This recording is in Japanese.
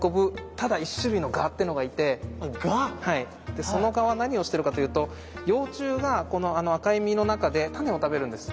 でその蛾は何をしてるかというと幼虫がこの赤い実の中で種を食べるんです。